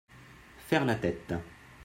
Faire la tête.